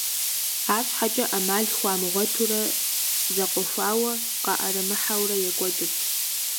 АрщхьэкӀэ Ӏэмал хуамыгъуэтурэ, зэкъуэхуауэ къаӀэрымыхьэурэ екӀуэкӀырт.